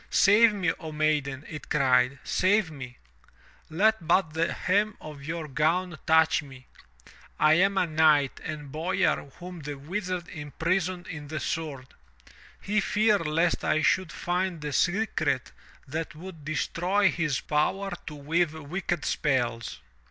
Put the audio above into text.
'Save me, O maiden!' it cried, 'save me! Let but the hem of your gown touch me. I am a knight and boyar whom the Wizard impris oned in the sword! He feared lest I should find the secret that would destroy his power to weave wicked spells.